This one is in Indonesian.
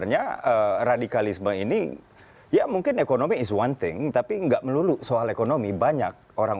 yang penting adalah